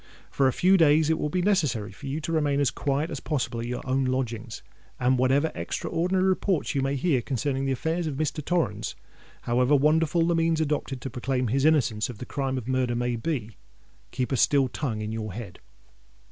For a few days it will be necessary for you to remain as quiet as possible at your own lodgings; and whatever extraordinary reports you may hear concerning the affairs of Mr. Torrens—however wonderful the means adopted to proclaim his innocence of the crime of murder may be—keep a still tongue in your head!